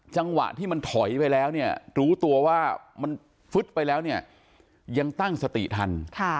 จังหวะที่มันถอยไปแล้วเนี่ยฝืดไปแล้วยังตั้งสติทัน